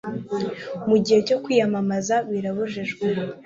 mu gihe cyo kwiyamamaza birabujijwe